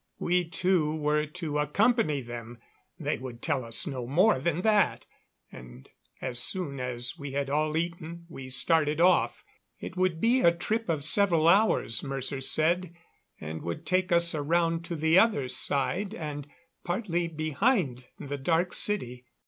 We two were to accompany them. They would tell us no more than that; and as soon as we had all eaten we started off. It would be a trip of several hours, Mercer said, and would take us around to the other side and partly behind the Dark City.